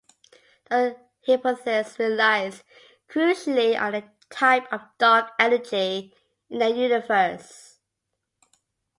The hypothesis relies crucially on the type of dark energy in the universe.